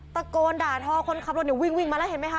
ตะโกนด่าทอคนขับรถเนี่ยวิ่งมาแล้วเห็นไหมคะ